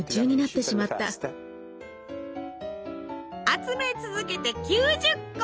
集め続けて９０個！